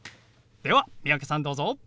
では三宅さんどうぞ。